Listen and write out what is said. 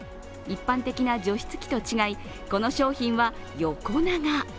一般的な除湿機と違い、この商品は横長。